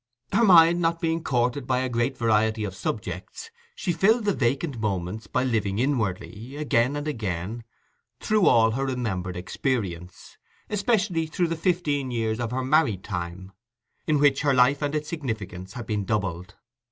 Her mind not being courted by a great variety of subjects, she filled the vacant moments by living inwardly, again and again, through all her remembered experience, especially through the fifteen years of her married time, in which her life and its significance had been doubled.